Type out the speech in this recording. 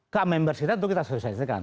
kek member kita itu kita sosialisasikan